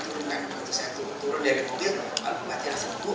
waktu saya turun dari kementerian pupr waktu saya turun dari kementerian pupr